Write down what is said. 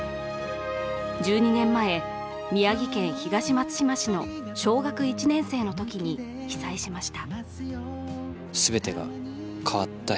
１２年前、宮城県東松島市の小学１年生のときに被災しました。